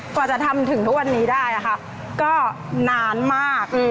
กว่าจะทำถึงทุกวันนี้ได้ค่ะก็นานมาก